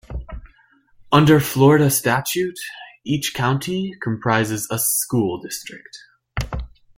Under Florida statute, each county comprises a school district.